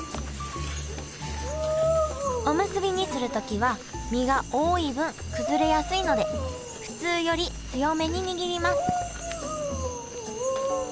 おむすびにする時は身が多い分崩れやすいので普通より強めに握ります